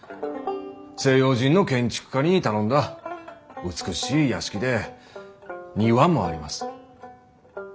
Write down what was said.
西洋人の建築家に頼んだ美しい屋敷で庭もあります。